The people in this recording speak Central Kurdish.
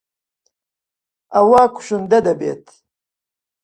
ئەوە کوشندە دەبێت.